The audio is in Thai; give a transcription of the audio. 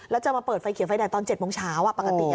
แล้วจะมาเปิดไฟเขียวไฟแดงตอน๗โมงเช้าปกติ